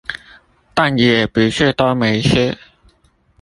但也不是都沒吃